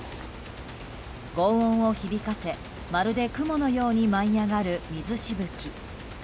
轟音を響かせ、まるで雲のように舞い上がる水しぶき。